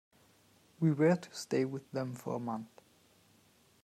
We were to stay with them for a month.